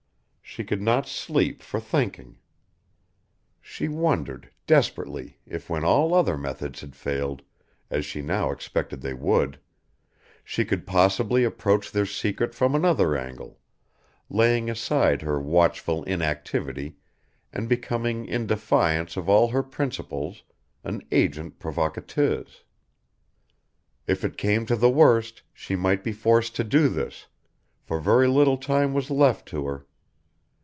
She could not sleep for thinking. She wondered, desperately, if when all other methods had failed, as she now expected they would, she could possibly approach their secret from another angle, laying aside her watchful inactivity and becoming in defiance of all her principles an "agent provocateuse." If it came to the worst she might be forced to do this, for very little time was left to her.